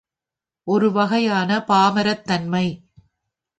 ஒரு வகையான பாமரத் தன்மை.